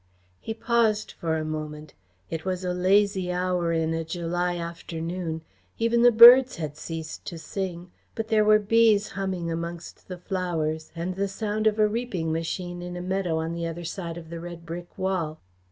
He paused for a moment. It was a lazy hour in a July afternoon. Even the birds had ceased to sing, but there were bees humming amongst the flowers and the sound of a reaping machine in a meadow on the other side of the red brick wall.